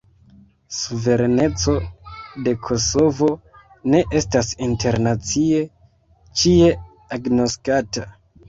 Suvereneco de Kosovo ne estas internacie ĉie agnoskata.